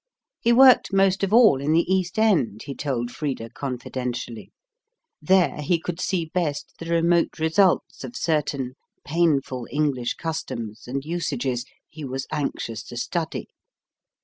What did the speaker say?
He worked most of all in the East End, he told Frida confidentially: there he could see best the remote results of certain painful English customs and usages he was anxious to study.